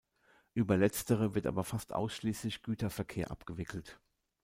Über letztere wird aber fast ausschließlich Güterverkehr abgewickelt.